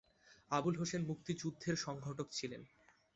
আবুল হোসেন মুক্তিযুদ্ধের সংগঠক ছিলেন।